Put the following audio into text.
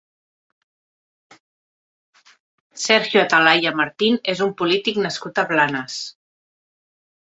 Sergio Atalaya Martín és un polític nascut a Blanes.